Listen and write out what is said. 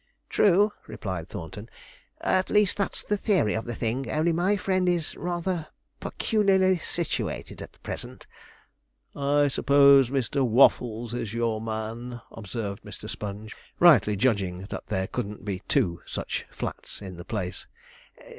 'True,' replied Thornton; 'at least that's the theory of the thing; only my friend is rather peculiarly situated at present.' 'I suppose Mr. Waffles is your man?' observed Mr. Sponge, rightly judging that there couldn't be two such flats in the place.